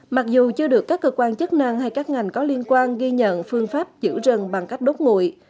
mặc dù chưa được các cơ quan chức năng hay các ngành có liên quan ghi nhận phương pháp giữ rừng bằng cách đốt ngụ